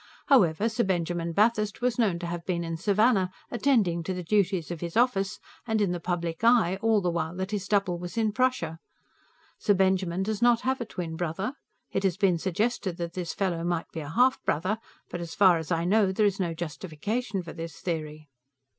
However, Sir Benjamin Bathurst was known to have been in Savannah, attending to the duties of his office, and in the public eye, all the while that his double was in Prussia. Sir Benjamin does not have a twin brother. It has been suggested that this fellow might be a half brother, but, as far as I know, there is no justification for this theory.